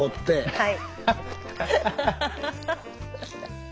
はい。